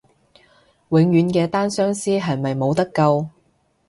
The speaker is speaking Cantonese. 永遠嘅單相思係咪冇得救？